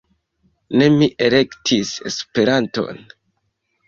Ne mi elektis Esperanton.